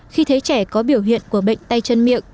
khi thấy trẻ có biểu hiện của bệnh tay chân miệng